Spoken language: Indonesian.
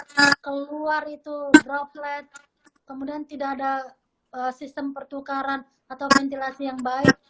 kalau keluar itu droplet kemudian tidak ada sistem pertukaran atau ventilasi yang baik